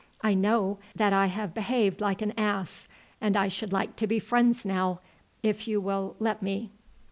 I know that I have behaved like an ass, and I should like to be friends now if you will let me."